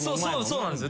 そうなんです。